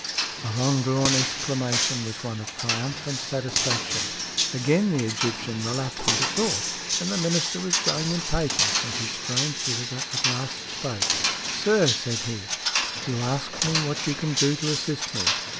The long drawn exclamation was one of triumphant satisfaction. Again the Egyptian relapsed into thought, and the minister was growing impatient when his strange visitor at last spoke. "Sir," said he, "you ask me what you can do to assist me.